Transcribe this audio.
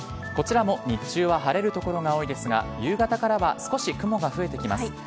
こちらも日中は晴れる所が多いですが夕方からは少し雲が増えてきます。